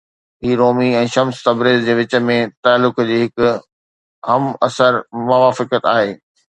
هي Rumi ۽ Shams Tabriz جي وچ ۾ تعلق جي هڪ همعصر موافقت آهي.